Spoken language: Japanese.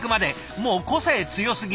もう個性強すぎ！